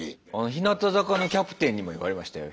日向坂のキャプテンにも言われましたよ